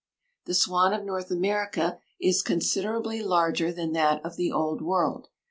The swan of North America is considerably larger than that of the old world.